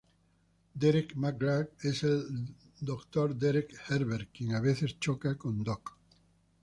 Derek McGrath es el Dr. Derek Herbert, quien a veces choca con Doc.